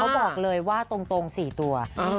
บอกเลยว่าตรง๔ตัว